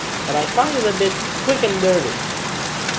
But I find it a bit “quick-and-dirty”